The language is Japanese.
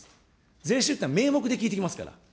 税収というのは名目できいてきますから。